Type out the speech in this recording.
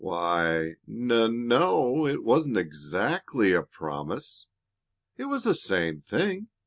"Why, n o; it wasn't exactly a promise." "It was the same thing.